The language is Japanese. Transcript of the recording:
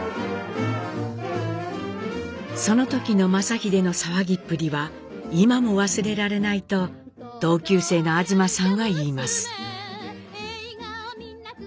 その時の正英の騒ぎっぷりは今も忘れられないと同級生の東さんは言います。